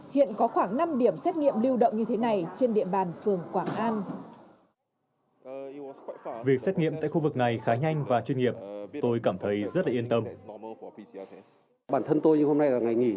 hiện có khoảng năm điểm xét nghiệm lưu động như thế này trên địa bàn phường quảng an